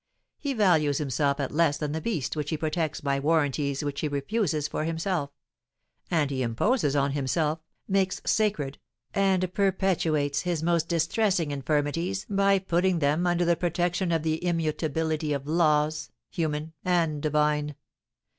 He values himself at less than the beast which he protects by warranties which he refuses for himself; and he imposes on himself, makes sacred, and perpetuates his most distressing infirmities by putting them under the protection of the immutability of laws, human and divine."